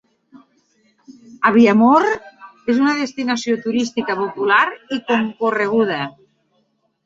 Aviemore és una destinació turística popular i concorreguda.